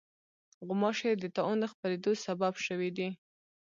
غوماشې د طاعون د خپرېدو سبب شوې دي.